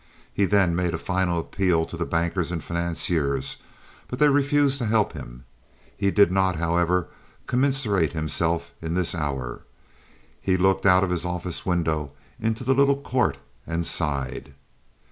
He then made a final appeal to the bankers and financiers, but they refused to help him. He did not, however, commiserate himself in this hour. He looked out of his office window into the little court, and sighed.